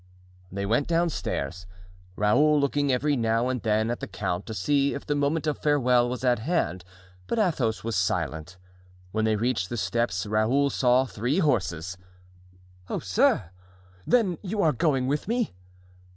They went downstairs, Raoul looking every now and then at the count to see if the moment of farewell was at hand, but Athos was silent. When they reached the steps Raoul saw three horses. "Oh, sir! then you are going with me?"